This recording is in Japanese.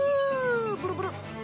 ブルブル！